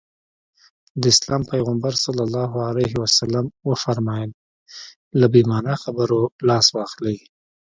د اسلام پيغمبر ص وفرمايل له بې معنا خبرو لاس واخلي.